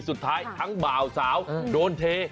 สุดท้ายทั้งบ่าวสาวโดนเท